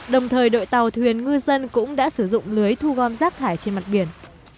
đồng thời đội tàu thuyền ngư dân cũng đã sử dụng lưới thu gom rác thải trên mặt biển